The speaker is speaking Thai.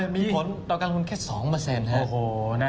มีผลต่อการลงทุนแค่๒ครับ